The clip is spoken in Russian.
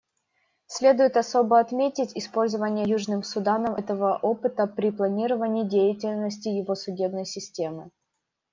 Следует особо отметить использование Южным Суданом этого опыта при планировании деятельности его судебной системы.